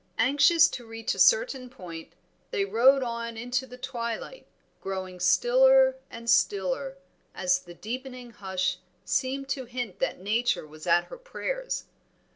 Anxious to reach a certain point, they rowed on into the twilight, growing stiller and stiller as the deepening hush seemed to hint that Nature was at her prayers.